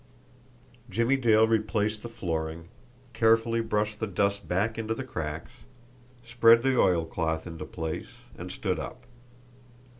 Jimmie Dale replaced the flooring, carefully brushed the dust back into the cracks, spread the oilcloth into place, and stood up.